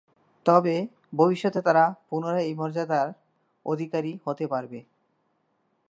তবে ভবিষ্যতে তারা পুনরায় এ মর্যাদার অধিকারী হতে পারবে।